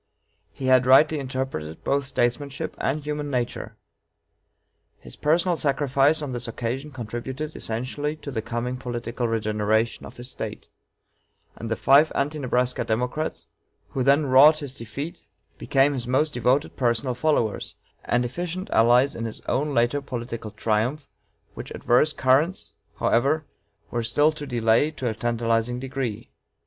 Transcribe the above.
He had rightly interpreted both statesmanship and human nature. His personal sacrifice on this occasion contributed essentially to the coming political regeneration of his State; and the five Anti Nebraska Democrats, who then wrought his defeat, became his most devoted personal followers and efficient allies in his own later political triumph, which adverse currents, however, were still to delay to a tantalizing degree.